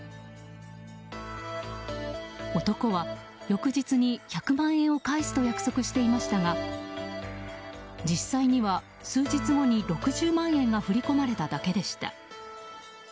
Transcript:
男は翌日に１００万円を返すと約束していましたが実際には、数日後に６０万円が振り込まれただけでした。